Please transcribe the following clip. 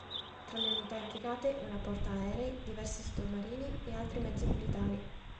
Tra le unità impiegate una portaerei, diversi sottomarini e altri mezzi militari.